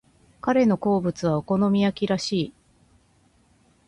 彼の好物はお好み焼きらしい。